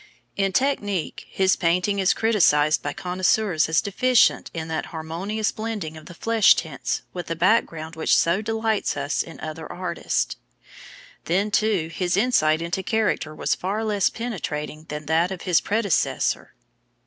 In technique his painting is criticised by connoisseurs as deficient in that harmonious blending of the flesh tints with the background which so delights us in other artists. Then, too, his insight into character was far less penetrating than that of his predecessor.